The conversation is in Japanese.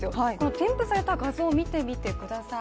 添付された画像を見てみてください。